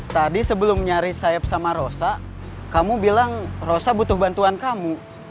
tadi sebelum nyari sayap sama rosa kamu bilang rosa butuh bantuan kamu